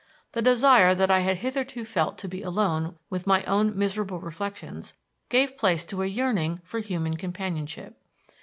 The desire that I had hitherto felt to be alone with my own miserable reflections gave place to a yearning for human companionship.